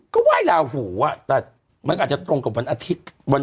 ก็ไหว้ลาหูอ่ะแต่มันก็อาจจะตรงกับวันอาทิตย์